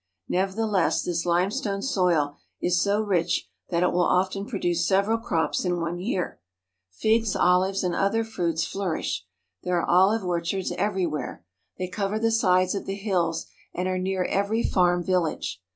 Nevertheless, this limestone soil is so rich that it will often produce several crops in one year. Figs, olives, and other fruits flourish. There are olive orchards every where. They cover the sides of the hills and are near every farm village.